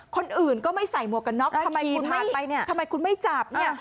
คนอื่นก็ไม่ใส่หมวกกันน็อกทำไมคุณไม่จับเนี่ย